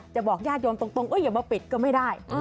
บอกญาติโยมตรงอย่ามาปิดก็ไม่ได้